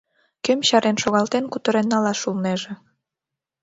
Кӧм чарен шогалтен кутырен налаш улнеже?